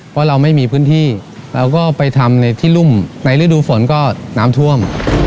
เพราะเราไม่มีพื้นที่เราก็ไปทำในที่รุ่มในฤดูฝนก็น้ำท่วม